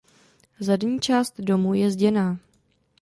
Zadní část domu je zděná.